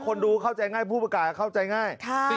คนดูเข้าใจง่ายผู้ประกาศเข้าใจง่าย